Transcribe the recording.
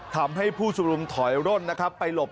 ทำให้ผู้ชมรมถอยร่นนะครับ